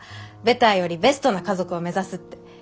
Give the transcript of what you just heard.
ベターよりベストな家族を目指すって。